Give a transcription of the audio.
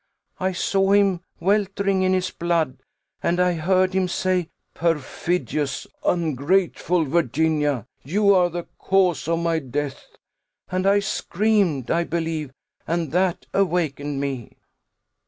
I saw him weltering in his blood, and I heard him say, 'Perfidious, ungrateful Virginia! you are the cause of my death!' and I screamed, I believe, and that awakened me."